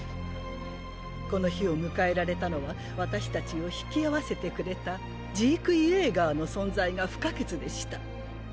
この日を迎えられたのは私たちを引き合わせてくれたジーク・イェーガーの存在が不可欠でした。